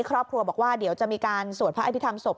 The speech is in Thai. ครอบครัวบอกว่าเดี๋ยวจะมีการสวดพระอภิษฐรรศพ